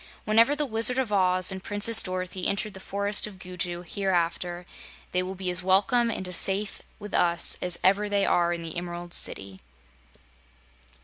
Whenever the Wizard of Oz and Princess Dorothy enter the Forest of Gugu hereafter, they will be as welcome and as safe with us as ever they are in the Emerald City."